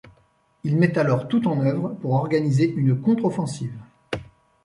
Il met alors tout en œuvre pour organiser une contre-offensive.